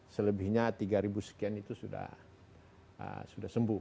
selebihnya tiga ribu sekian itu sudah sembuh